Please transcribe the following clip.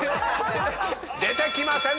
出てきません！